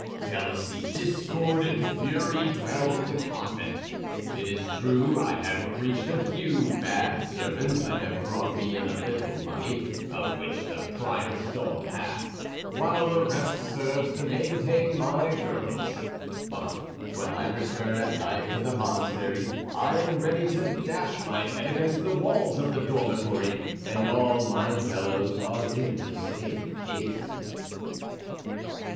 Jealousy, discord, and fury, dwell in the convent. It is true I have preached a few bad sermons that have brought me in a little money, of which the prior stole half, while the rest serves to maintain my girls; but when I return at night to the monastery, I am ready to dash my head against the walls of the dormitory; and all my fellows are in the same case."